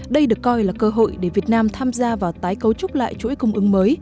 đây được coi là cơ hội để việt nam tham gia vào tái cấu trúc lại chuỗi cung ứng mới